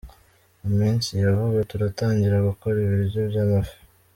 Mu minsi ya vuba turatangira gukora ibiryo by’amafi.